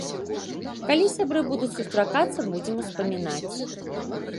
Калі сябры будуць сустракацца, будзем успамінаць.